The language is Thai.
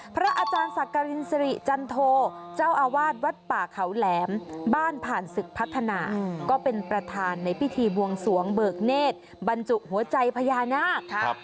พระอาจารย์ศักรินสิริจันโทเจ้าอาวาสวัดป่าเขาแหลมบ้านผ่านศึกพัฒนาก็เป็นประธานในพิธีบวงสวงเบิกเนธบรรจุหัวใจพญานาค